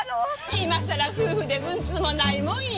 今さら夫婦で文通もないもんや。